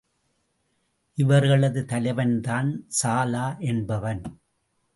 இவர்களது தலைவன்தான் சாலா என்பவன்.